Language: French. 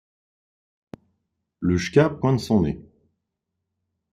Le ska pointe son nez.